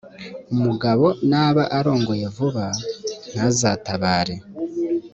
umugabo naba arongoye vuba, ntazatabare,